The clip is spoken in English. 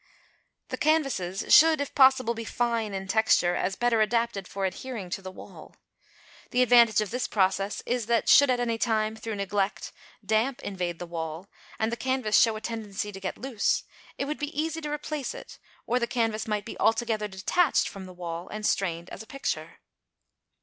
The canvases should if possible be fine in texture, as better adapted for adhering to the wall. The advantage of this process is that, should at any time, through neglect, damp invade the wall, and the canvas show a tendency to get loose, it would be easy to replace it; or the canvas might be altogether detached from the wall and strained as a picture.